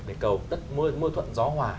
để cầu đất mưa thuận gió hòa